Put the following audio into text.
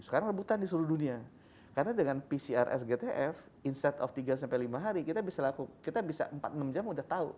karena dengan pcr sgtf instead of tiga sampai lima hari kita bisa lakukan kita bisa empat enam jam udah tahu